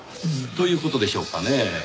という事でしょうかねぇ？